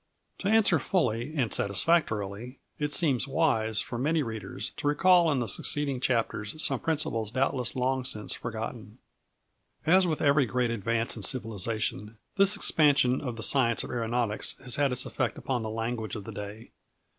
_ To answer fully and satisfactorily, it seems wise, for many readers, to recall in the succeeding chapters some principles doubtless long since forgotten. As with every great advance in civilization, this expansion of the science of aeronautics has had its effect upon the language of the day.